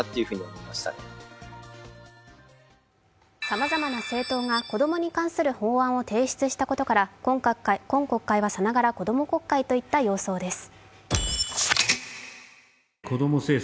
さまざまな政党が子供に関する法案を提出したことから今国会はさながらこども国会といった様相です。